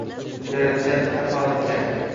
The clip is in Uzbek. Yaratgan ato etgan